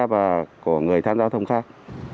và của người tham gia thông khác